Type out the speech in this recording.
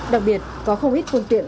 đặc biệt có không ít phương tiện